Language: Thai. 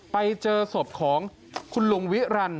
ไปเจอศพของคุณลุงวิรันดิ